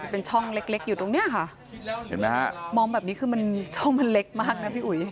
เป็นช่องเล็กอยู่ตรงเนี้ยค่ะเห็นไหมฮะมองแบบนี้คือมันช่องมันเล็กมากนะพี่อุ๋ย